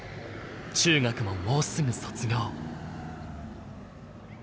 中学ももうすぐ卒業。